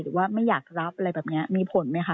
หรือว่าไม่อยากรับอะไรแบบนี้มีผลไหมคะ